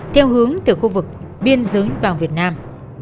theo hướng từ khu vực biên giới vào việt nam